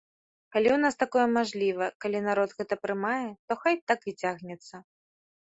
Калі ў нас такое мажліва, калі народ гэта прымае, то хай так і цягнецца.